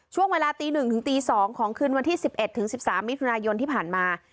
ช่วงเวลาตี๑ถึงตี๒ของคืนวันที่๑๑ถึง๑๓มิถุนายนที่ผ่านมา